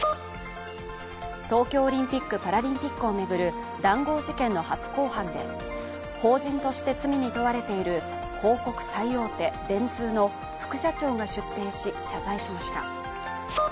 東京オリンピック・パラリンピックを巡る談合事件の初公判で法人として罪に問われている広告最大手・電通の副社長が出廷し、謝罪しました。